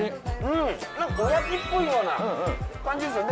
何かおやきっぽいような感じですよね。